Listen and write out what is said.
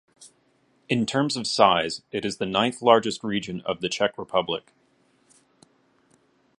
In terms of size it is the ninth largest region of the Czech Republic.